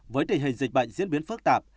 với tình hình dịch bệnh diễn biến phức tạp